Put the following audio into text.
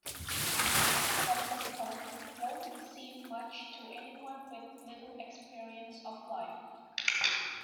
But the poem won't seem much to anyone with little experience of life.